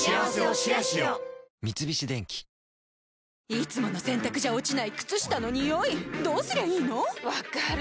いつもの洗たくじゃ落ちない靴下のニオイどうすりゃいいの⁉分かる。